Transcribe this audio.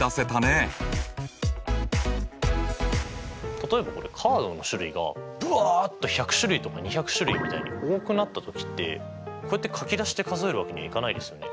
例えばこれカードの種類がブワッと１００種類とか２００種類みたいに多くなった時ってこうやって書き出して数えるわけにはいかないですよね。